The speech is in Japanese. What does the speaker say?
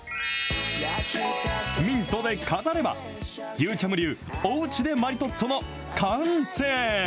ミントで飾れば、ゆーちゃむ流おうちでマリトッツォの完成。